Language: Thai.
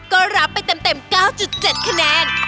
ก็รับไปเต็ม๙๗คะแนน